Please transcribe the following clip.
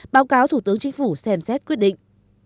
báo cáo thủ tướng chính phủ xem xét quyết định